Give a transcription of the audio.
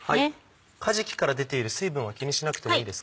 かじきから出ている水分は気にしなくてもいいですか？